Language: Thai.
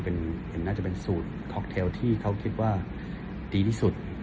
เห็นน่าจะเป็นสูตรค็อกเทลที่เขาคิดว่าดีที่สุด